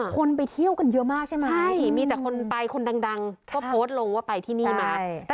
คนไปเที่ยวกันเยอะมากใช่ไหมใช่มีแต่คนไปคนดังก็โพสต์ลงว่าไปที่นี่มา